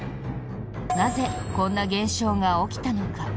なぜ、こんな現象が起きたのか。